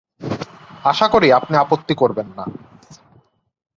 আশা করি আপনি আপত্তি করবেন না।